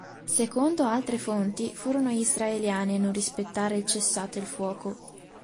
Secondo altre fonti furono gli israeliani a non rispettare il cessate il fuoco.